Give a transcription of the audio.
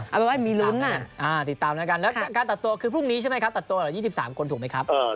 เอาเป็นว่ามีลุ้นติดตามแล้วกันแล้วการตัดตัวคือพรุ่งนี้ใช่ไหมครับตัดตัวเหลือ๒๓คนถูกไหมครับ